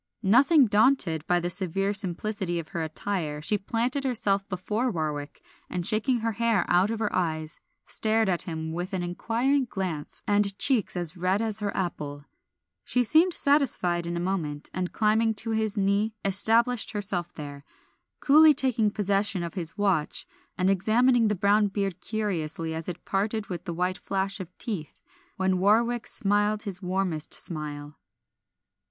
Nothing daunted by the severe simplicity of her attire she planted herself before Warwick, and shaking her hair out of her eyes stared at him with an inquiring glance and cheeks as red as her apple. She seemed satisfied in a moment, and climbing to his knee established herself there, coolly taking possession of his watch, and examining the brown beard curiously as it parted with the white flash of teeth, when Warwick smiled his warmest smile.